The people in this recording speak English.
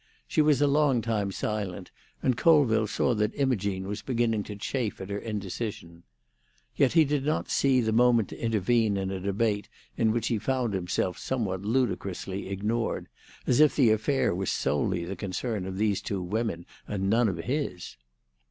She was a long time silent, and Colville saw that Imogene was beginning to chafe at her indecision. Yet he did not see the moment to intervene in a debate in which he found himself somewhat ludicrously ignored, as if the affair were solely the concern of these two women, and none of his.